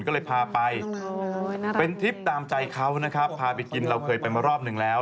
ก็เลยพาไปเป็นทริปตามใจเขานะครับพาไปกินเราเคยไปมารอบหนึ่งแล้ว